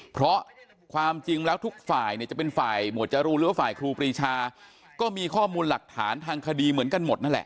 เพราะความจริงแล้วทุกฝ่ายเนี่ยจะเป็นฝ่ายหมวดจรูนหรือว่าฝ่ายครูปรีชาก็มีข้อมูลหลักฐานทางคดีเหมือนกันหมดนั่นแหละ